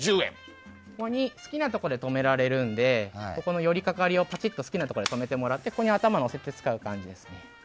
好きなところで止められるので寄りかかりを好きなところで止めてもらってここに頭を乗せて使う感じですね。